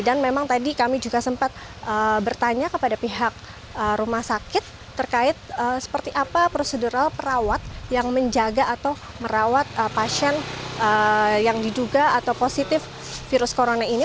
memang tadi kami juga sempat bertanya kepada pihak rumah sakit terkait seperti apa prosedural perawat yang menjaga atau merawat pasien yang diduga atau positif virus corona ini